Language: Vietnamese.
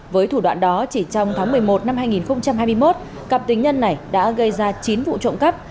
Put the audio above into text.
với thủ đoạn đó chỉ trong tháng một mươi một năm hai nghìn hai mươi một cặp tình nhân này đã gây ra chín vụ trộm cắp